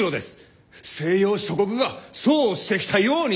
西洋諸国がそうしてきたように！